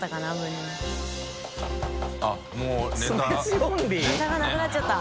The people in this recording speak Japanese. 井上）ネタがなくなっちゃった。